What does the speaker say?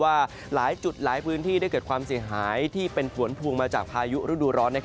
ว่าหลายจุดหลายพื้นที่ได้เกิดความเสียหายที่เป็นฝนพวงมาจากพายุฤดูร้อน